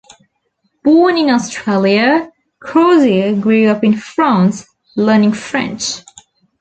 Born in Australia, Crozier grew up in France, learning French.